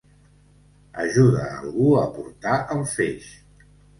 Ajudar algú a portar el feix.